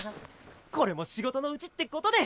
これも仕事のうちって事で！